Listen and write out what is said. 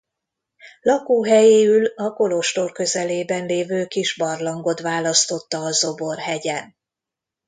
Lakóhelyéül a kolostor közelében lévő kis barlangot választotta a Zobor hegyen.